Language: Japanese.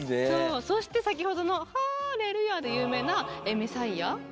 そして先ほどの「ハレルヤ」で有名な「メサイア」を。